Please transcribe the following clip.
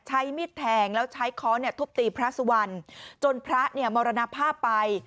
มิดแทงแล้วใช้ค้อนทุบตีพระสุวรรณจนพระเนี่ยมรณภาพไป